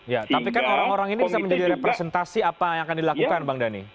ya tapi kan orang orang ini bisa menjadi representasi apa yang akan dilakukan bang dhani